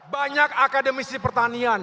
banyak akademisi pertanian